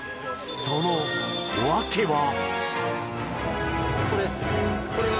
その訳は？